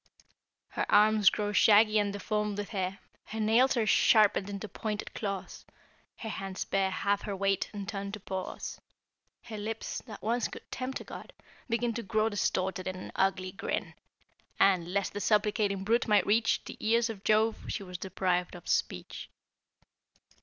"'Her arms grow shaggy and deformed with hair, Her nails are sharpened into pointed claws, Her hands bear half her weight, and turn to paws; Her lips, that once could tempt a god, begin To grow distorted in an ugly grin; And, lest the supplicating brute might reach The ears of Jove, she was deprived of speech.'